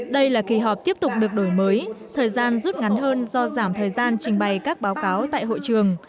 đây là kỳ họp tiếp tục được đổi mới thời gian rút ngắn hơn do giảm thời gian trình bày các báo cáo tại hội trường